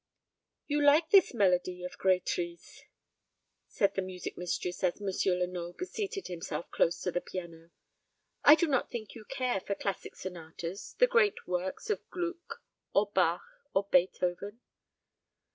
"You like this melody of Grétry's," said the music mistress, as M. Lenoble seated himself close to the piano. "I do not think you care for classic sonatas the great works of Gluck, or Bach, or Beethoven?"